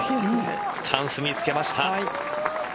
チャンスにつけました。